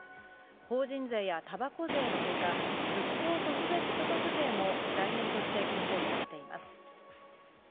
法人税やたばこ税のほか、復興特別所得税も財源として検討されています。